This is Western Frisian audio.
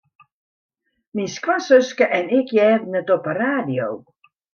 Myn skoansuske en ik hearden it op de radio.